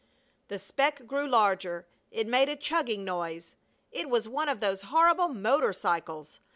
The speck grew larger. It made a chugging noise. It was one of those horrible motor cycles.